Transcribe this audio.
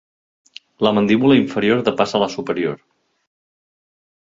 La mandíbula inferior depassa la superior.